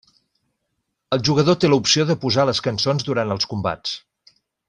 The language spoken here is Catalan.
El jugador té l'opció de posar les cançons durant els combats.